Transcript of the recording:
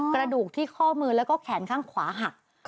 กระดูกที่ข้อมือแล้วก็แขนข้างขวาหัก